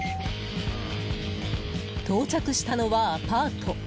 到着したのはアパート。